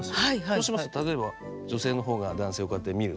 そうしますと例えば女性の方が男性をこうやって見るとか。